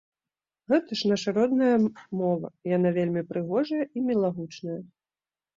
Гэта ж нашая родная мова, яна вельмі прыгожая і мілагучная.